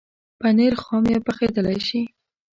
پنېر خام یا پخېدلای شي.